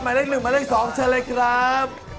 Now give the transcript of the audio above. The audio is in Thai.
หมายเลขหนึ่งหมายเลขสองเฉลยครับ